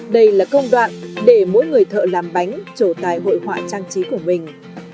đây là công đoạn để mỗi người thợ làm bánh trổ tài hội họa trang trí của mình